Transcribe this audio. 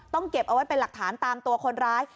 เก็บเอาไว้เป็นหลักฐานตามตัวคนร้าย